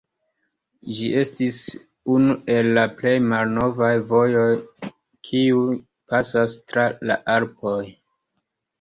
Ĝi estis unu el la plej malnovaj vojoj, kiuj pasas tra la Alpoj.